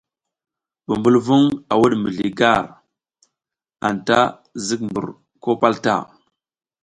Bumbulvung a wud mizli gar, anta zik mbur ko pal ta.